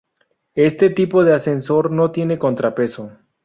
Este tipo de ascensor, no tiene contrapeso.